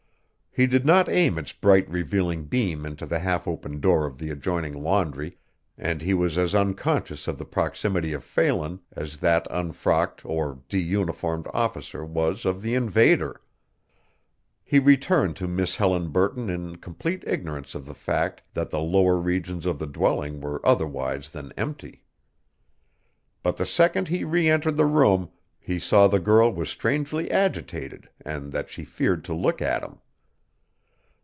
He did not aim its bright revealing beam into the half open door of the adjoining laundry and he was as unconscious of the proximity of Phelan as that unfrocked or de uniformed officer was of the invader. He returned to Miss Helen Burton in complete ignorance of the fact that the lower regions of the dwelling were otherwise than empty. But the second he re entered the room he saw the girl was strangely agitated and that she feared to look at him.